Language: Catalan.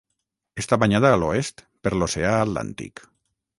Està banyada a l'oest per l'oceà Atlàntic.